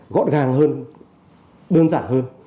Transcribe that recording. gọn gàng hơn đơn giản hơn